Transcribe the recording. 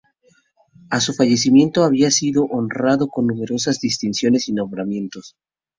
A su fallecimiento había sido honrado con numerosas distinciones y nombramientos.